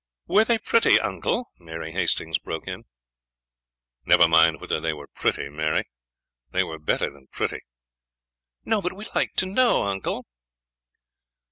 "Were they pretty, uncle?" Mary Hastings broke in. "Never mind whether they were pretty, Mary; they were better than pretty." "No; but we should like to know, uncle."